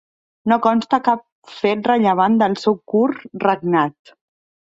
No consta cap fet rellevant del seu curt regnat.